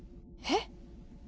えっ？